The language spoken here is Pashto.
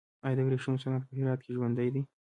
آیا د ورېښمو صنعت په هرات کې ژوندی دی؟